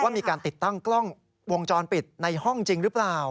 มีการติดตั้งกล้องวงจรปิดในห้องจริงหรือเปล่า